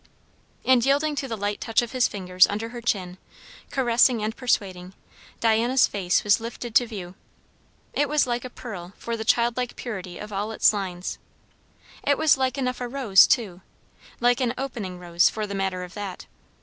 And yielding to the light touch of his fingers under her chin, caressing and persuading, Diana's face was lifted to view. It was like a pearl, for the childlike purity of all its lines; it was like enough a rose, too; like an opening rose, for the matter of that.